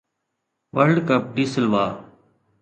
world cup De سلوا